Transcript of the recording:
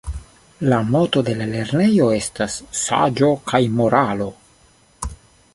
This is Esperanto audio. La moto de la lernejo estas "Saĝo kaj Moralo"